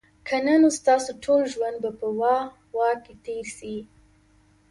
که نه نو ستاسو ټول ژوند به په "واه، واه" کي تیر سي